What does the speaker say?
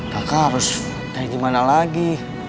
kakak harus kayak gimana lagi